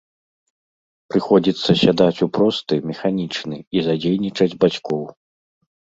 Прыходзіцца сядаць у просты, механічны і задзейнічаць бацькоў.